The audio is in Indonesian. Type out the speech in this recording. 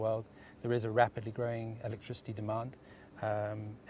ada kebutuhan elektrik yang berkembang cepat